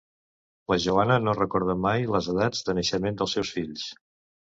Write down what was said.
La Joana no recorda mai les edats de naixement dels seus fills.